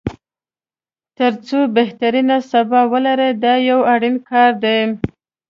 تر څو بهترینه سبا ولري دا یو اړین کار دی.